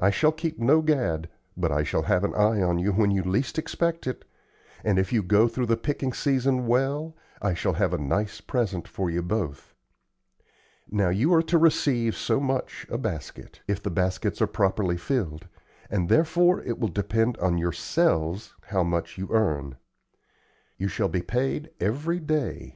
I shall keep no gad, but I shall have an eye on you when you least expect it; and if you go through the picking season well, I shall have a nice present for you both. Now, you are to receive so much a basket, if the baskets are properly filled, and therefore it will depend on yourselves how much you earn. You shall be paid every day.